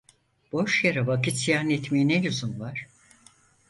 Boş yere vakit ziyan etmeye ne lüzum var?